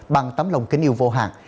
bằng tấm lòng kính yêu vô hạn